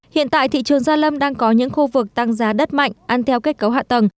hiện tại thị trường gia lâm đang có những khu vực tăng giá đất mạnh ăn theo kết cấu hạ tầng